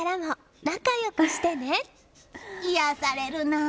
癒やされるな。